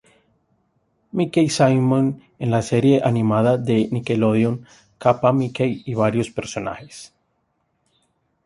Mikey Simon en la serie animada de Nickelodeon Kappa Mikey y varios personajes.